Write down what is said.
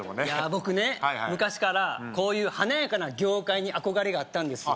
僕ね昔からこういう華やかな業界に憧れがあったんですよ